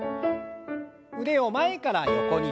腕を前から横に開いて。